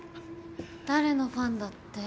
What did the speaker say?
誰のファンだって？